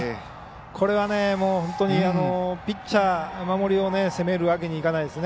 これは本当にピッチャー、守りを責めるわけにはいかないですね。